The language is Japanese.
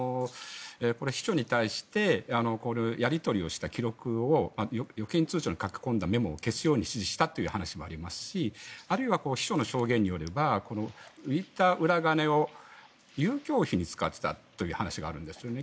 秘書に対してこういうやり取りをした記録を預金通帳に書き込んだメモを消すよう指示したという話もありますしあるいは秘書の証言によればこういった裏金を遊興費に使っていたという話があるんですよね。